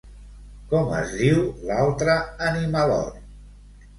Com es diu l'altre animalot?